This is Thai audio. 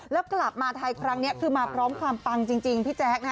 แล้วกลับมาไทยครั้งนี้คือมาพร้อมความปังจริงพี่แจ๊คนะ